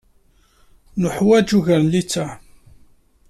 Neḥwaǧ ugar n litteɛ.